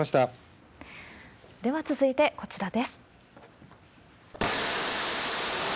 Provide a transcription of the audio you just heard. では続いて、こちらです。